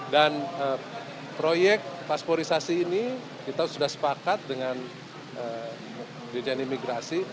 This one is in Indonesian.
dan proyek pasporisasi ini kita sudah sepakat dengan dirjen imigrasi